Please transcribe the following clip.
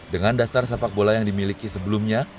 dengan dasar sepak bola yang dimiliki sebelumnya